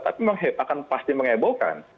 tapi memang akan pasti mengebohkan